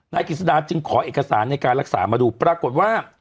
นายกิจสดาจึงขอเอกสารในการรักษามาดูปรากฏว่า